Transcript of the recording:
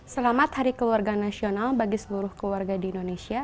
selamat hari keluarga nasional bagi seluruh keluarga di indonesia